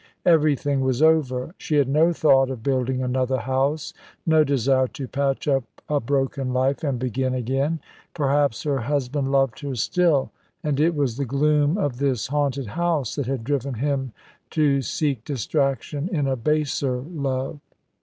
Everything was over. She had no thought of building another house; no desire to patch up a broken life and begin again. Perhaps her husband loved her still, and it was the gloom of this haunted house that had driven him to seek distraction in a baser love.